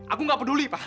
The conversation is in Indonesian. aku gak peduli pak